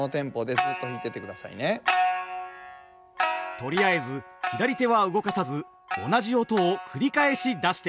とりあえず左手は動かさず同じ音を繰り返し出してみます。